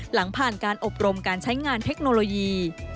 หลังผ่านการอบรมการใช้งานเทคโนโลยี